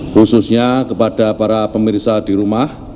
khususnya kepada para pemirsa di rumah